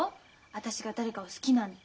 私が誰かを好きなんて。